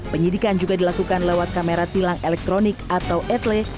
penyidikan juga dilakukan lewat kamera tilang elektronik atau etle